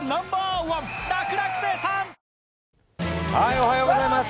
おはようございます。